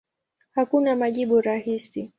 Hakuna majibu rahisi.